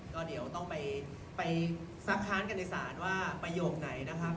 ก็เดี๋ยวต้องไปซักค้านกันในศาลว่าประโยคไหนนะครับ